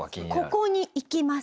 ここに行きます。